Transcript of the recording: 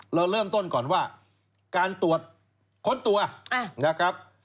เราเริ่มต้นก่อนว่าการตรวจค้นตัวนะครับ